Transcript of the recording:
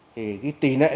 thì tỉ nạn như thế này